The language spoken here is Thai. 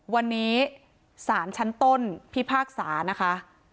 วันนี้ศาลชั้นต้นพิพากษานะคะ